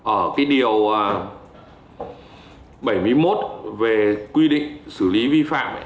ở cái điều bảy mươi một về quy định xử lý vi phạm